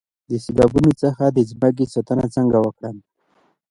د سیلابونو څخه د ځمکو ساتنه څنګه وکړم؟